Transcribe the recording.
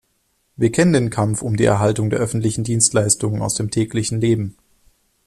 Wir kennen den Kampf um die Erhaltung der öffentlichen Dienstleistungen aus dem täglichen Leben.